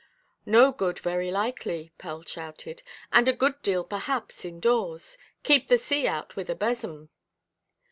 "No good, very likely," Pell shouted, "and a good deal perhaps in–doors! Keep the sea out with a besom."